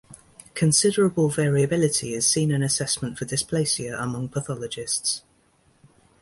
Considerable variability is seen in assessment for dysplasia among pathologists.